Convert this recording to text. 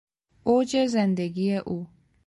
اوج زندگی او